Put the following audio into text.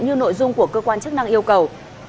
như nội dung của cơ quan chức năng yêu cầu